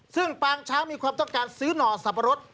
ซึ่งปางช้างมีความต้องการซื้อหน่อสับปะรด